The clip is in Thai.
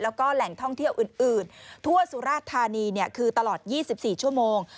แล้วก็แหล่งท่องเที่ยวอื่นทั่วสุราชธานีคือตลอด๒๔ชั่วโมง